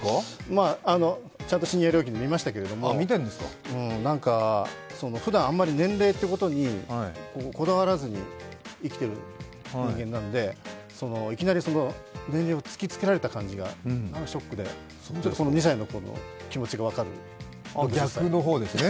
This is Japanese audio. ちゃんとシニア料金で見ましたけれどもふだんあまり年齢ということにこだわらずに生きてる人間なので、いきなり年齢をつきつけられた感じがショックでこの２歳の子の気持ちが分かって。